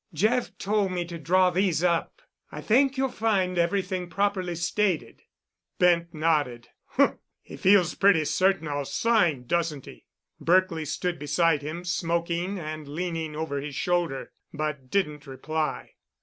"Jeff told me to draw these up. I think you'll find everything properly stated." Bent nodded. "Humph! He feels pretty certain I'll sign, doesn't he?" Berkely stood beside him, smoking and leaning over his shoulder, but didn't reply.